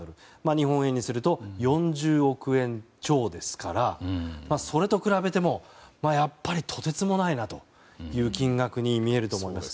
日本円で４０億円超ですからそれと比べてもやっぱりとてつもないなという金額に見えると思います。